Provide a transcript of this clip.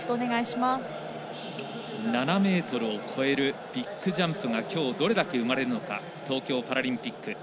７ｍを超えるビッグジャンプがきょう、どれだけ生まれるのか東京パラリンピック。